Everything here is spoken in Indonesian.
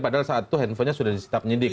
padahal saat itu handphonenya sudah disita penyidik